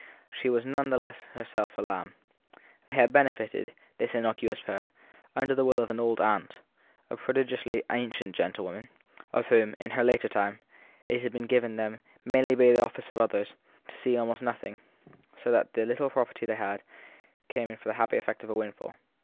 But she was none the less herself a lamb. They had benefited, this innocuous pair, under the will of an old aunt, a prodigiously ancient gentlewoman, of whom, in her later time, it had been given them, mainly by the office of others, to see almost nothing; so that the little property they came in for had the happy effect of a windfall.